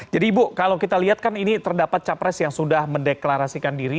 jadi ibu kalau kita lihat kan ini terdapat capres yang sudah mendeklarasikan diri